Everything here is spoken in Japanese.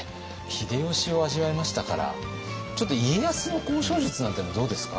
秀吉を味わいましたからちょっと家康の交渉術なんていうのもどうですか？